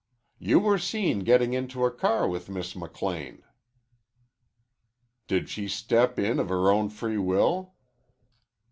"You were seen getting into a car with Miss McLean." "Did she step in of her own free will?"